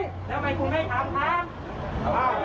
ผมถามว่าคนที่รอพิวอยู่แล้วคุณฟังมั้ย